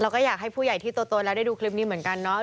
ก็อยากให้ผู้ใหญ่ที่โตแล้วได้ดูคลิปนี้เหมือนกันเนาะ